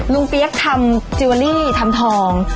ลูกเปี๊ย๊ยะทำจิวารีทำทอง